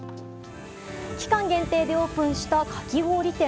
期間限定でオープンしたかき氷店。